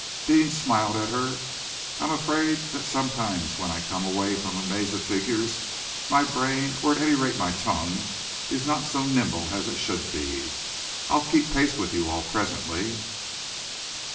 Deane smiled at her. "I am afraid that sometimes when I come away from a maze of figures, my brain, or at any rate my tongue, is not so nimble as it should be. I'll keep pace with you all presently."